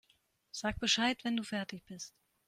Sag Bescheid, wenn du fertig bist.